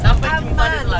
sampai jumpa di telaga